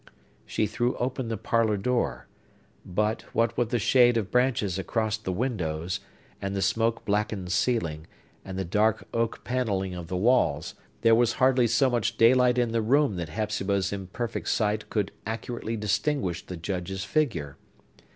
She threw open the parlor door. But, what with the shade of branches across the windows, and the smoke blackened ceiling, and the dark oak panelling of the walls, there was hardly so much daylight in the room that Hepzibah's imperfect sight could accurately distinguish the Judge's figure.